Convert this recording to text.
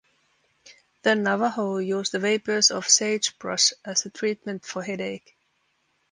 The Navajo use the vapors of sagebrush as a treatment for headache.